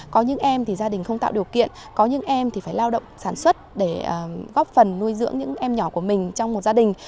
có những em thì gia đình không tạo điều kiện có những em thì phải lao động sản xuất để góp phần nuôi dưỡng những em nhỏ của mình trong một gia đình